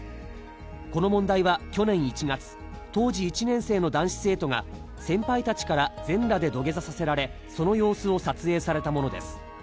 この問題は去年１月、当時１年生の男子生徒が先輩たちから全裸で土下座させられ、その様子を撮影されたものです。